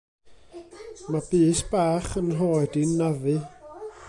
Mae bys bach 'yn nhroed i'n 'nafu.